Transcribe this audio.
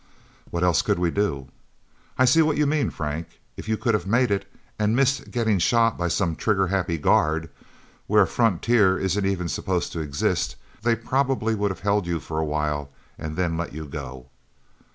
"What else could we do?" "I see what you mean, Frank. If you could have made it, and missed getting shot by some trigger happy guard where a frontier isn't even supposed to exist they probably would have held you for a while, and then let you go."